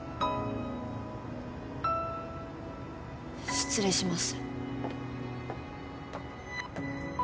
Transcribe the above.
失礼します